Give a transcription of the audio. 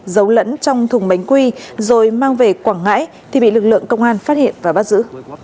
giấu lẫn trong thùng bánh quy rồi mang về quảng ngãi thì bị lực lượng công an phát hiện và bắt giữ